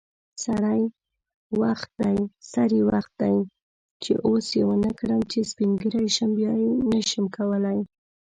سری وخت دی چی اوس یی ونکړم چی سپین ږیری شم بیا نشم کولی